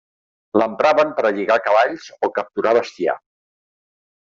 L'empraven per a lligar cavalls o capturar bestiar.